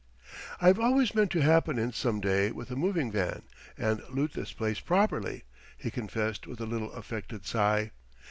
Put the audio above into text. "I've always meant to happen in some day with a moving van and loot this place properly!" he confessed with a little affected sigh.